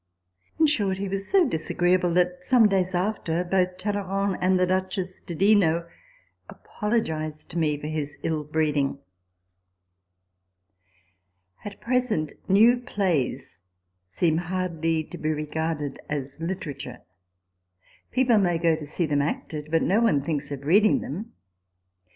In short, he was so dis agreeable, that, some days after, both Talleyrand and the Duchess di Dino apologised to me for his ill breeding. > At present new plays seem hardly to be regarded as literature ; people may go to see them acted, but no one thinks of reading them.